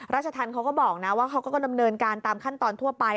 ราชธรรมเขาก็บอกนะว่าเขาก็ดำเนินการตามขั้นตอนทั่วไป